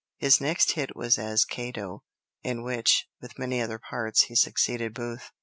His next hit was as Cato, in which, with many other parts, he succeeded Booth.